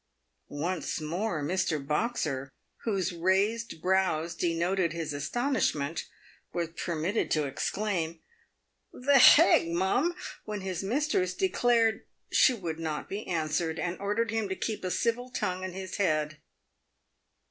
Once more Mr. Boxer, whose raised brows denoted his astonish ment, was permitted to exclaim, " The hegg, mum !" when his mistress declared she would not be answered, and ordered him to keep a civil tongue in his head.